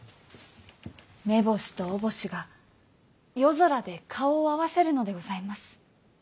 女星と男星が夜空で顔を合わせるのでございます。